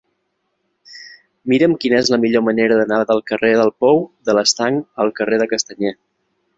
Mira'm quina és la millor manera d'anar del carrer del Pou de l'Estanc al carrer de Castanyer.